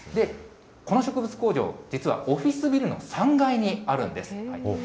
この植物工場、実はオフィスビルの３階にあるんです。